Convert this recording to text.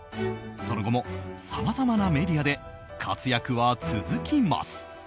その後もさまざまなメディアで活躍は続きます。